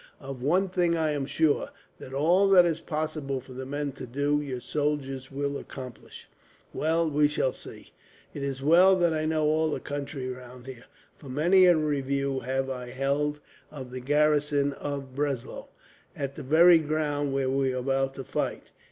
Of one thing I am sure, that all that is possible for the men to do, your soldiers will accomplish." "Well, we shall see. It is well that I know all the country round here, for many a review have I held of the garrison of Breslau, on the very ground where we are about to fight.